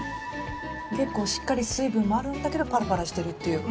結構しっかり水分もあるんだけどパラパラしてるっていう。